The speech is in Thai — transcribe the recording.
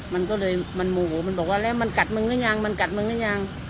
มันก็เลยมันโมโหมันบอกว่าแล้วมันกัดมึงหรือยังมันกัดมึงหรือยัง